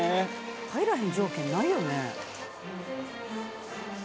入らへん条件ないよね。